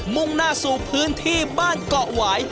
มุ่งหน้าสู่พื้นที่บ้านเกาะหวาย